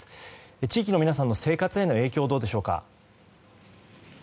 地域の皆さんの生活への影響はどうでしょうか。